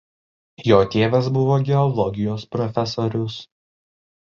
Jo tėvas buvo geologijos profesorius.